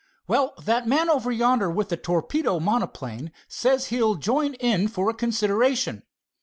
"Well, that man over yonder with the torpedo monoplane says he'll join in for a consideration.